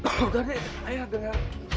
nggak ada ayah ada